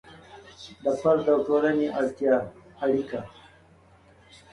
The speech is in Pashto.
د فرد او د ټولنې اړیکه